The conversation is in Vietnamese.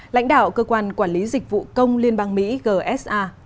lãnh đạo cơ quan quản lý dịch vụ công liên bang mỹ gsa